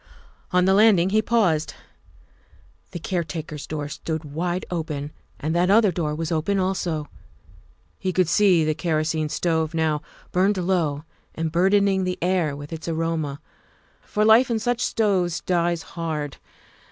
On the landing he paused. The caretaker's door stood wide open and that other door was open also. He could see the kerosene stove now, burned low, and burdening the air with its aroma, for life in such stoves dies hard.